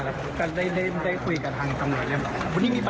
พี่ที่เราซื้อมาเป็นคนที่ซื้อขายรถประจำอยู่แล้วไหมคะ